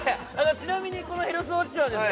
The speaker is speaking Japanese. ちなみにこのヘルスウォッチはですね